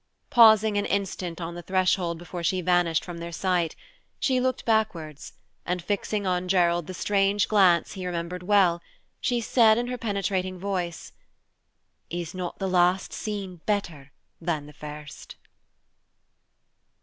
Pausing an instant on the threshold before she vanished from their sight, she looked backward, and fixing on Gerald the strange glance he remembered well, she said in her penetrating voice, "Is not the last scene better than the first?"